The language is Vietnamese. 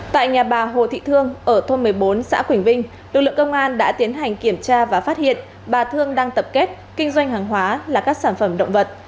tại nhà bà hồ thị thương ở thôn một mươi bốn xã quỳnh vinh lực lượng công an đã tiến hành kiểm tra và phát hiện bà thương đang tập kết kinh doanh hàng hóa là các sản phẩm động vật